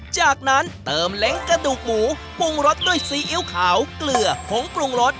จากนั้นเติมเล้งกระดูกหมูปรุงรสด้วยซีอิ๊วขาวเกลือผงปรุงรส